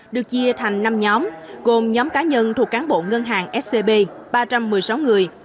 được chia thành năm nhóm gồm nhóm cá nhân thuộc cán bộ ngân hàng scb ba trăm một mươi sáu người